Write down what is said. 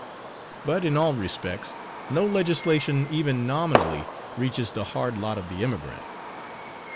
But in all respects, no legislation, even nominally, reaches the hard lot of the emigrant.